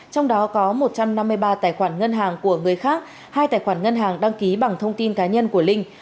trong đó có một trăm năm mươi ba tài khoản ngân hàng của người khác hai tài khoản ngân hàng đăng ký bằng thông tin cá nhân của linh